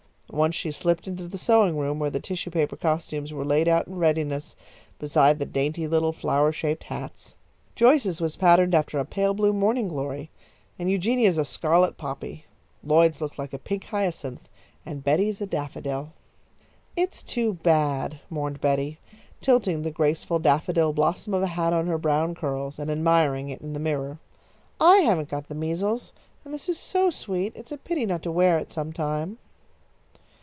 Once she slipped into the sewing room where the tissue paper costumes were laid out in readiness beside the dainty little flower shaped hats. Joyce's was patterned after a pale blue morning glory, and Eugenia's a scarlet poppy. Lloyd's looked like a pink hyacinth, and Betty's a daffodil. "It's too bad," mourned Betty, tilting the graceful daffodil blossom of a hat on her brown curls, and admiring it in the mirror. "I haven't got the measles, and this is so sweet, it's a pity not to wear it somewhere."